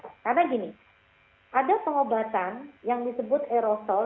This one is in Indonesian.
karena gini ada pengobatan yang disebut aerosol